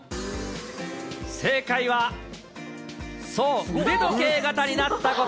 正解は、そう、腕時計型になったこと。